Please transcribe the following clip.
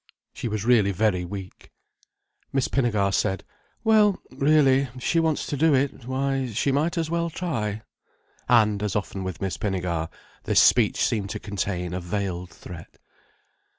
She was really very weak. Miss Pinnegar said: "Well really, if she wants to do it, why, she might as well try." And, as often with Miss Pinnegar, this speech seemed to contain a veiled threat.